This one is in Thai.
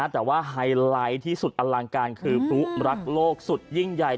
แต่ว่าไฮไลท์ที่สุดอลังการคือพลุรักโลกสุดยิ่งใหญ่